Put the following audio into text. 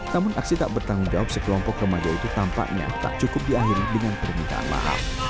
namun aksi tak bertanggung jawab sekelompok remaja itu tampaknya tak cukup diakhiri dengan permintaan maaf